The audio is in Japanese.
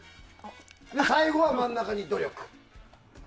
最後は真ん中に努力。